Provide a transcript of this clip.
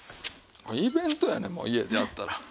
もうイベントやねもう家でやったら。